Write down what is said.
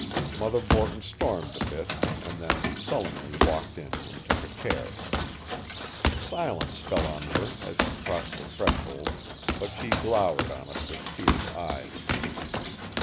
Mother Borton stormed a bit, and then sullenly walked in and took a chair. Silence fell on her as she crossed the threshold, but she glowered on us with fierce eyes.